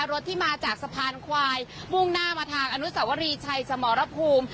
รถที่มาจากสะพานควายมุ่งหน้ามาทางอนุสวรีชัยสมรภูมิ